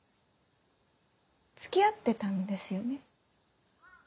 付き合ってたんですよね？